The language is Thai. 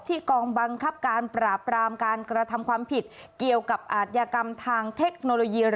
กองบังคับการปราบรามการกระทำความผิดเกี่ยวกับอาทยากรรมทางเทคโนโลยี